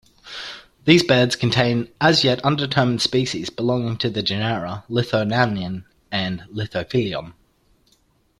These beds contain as-yet undetermined species belonging to the genera "Lithothamnion" and "Lithophyllum".